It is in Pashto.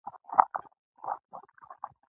رقیب زما د قوت لپاره هڅونه ده